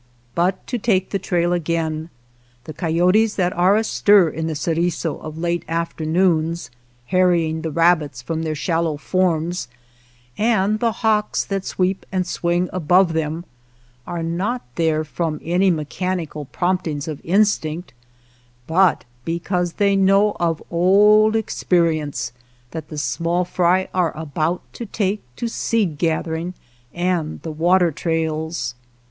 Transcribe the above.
But to take the trail again ; the coyotes that are astir in the Ceriso of late after noons, harrying the rabbits from their shallow forms, and the hawks that sweep and swing above them, are not there from any mechanical promptings of instinct, but because they know of old experience that the small fry are about to take to seed gathering and the water trails.